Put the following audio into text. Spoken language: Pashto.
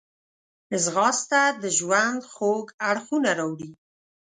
ځغاسته د ژوند خوږ اړخونه راوړي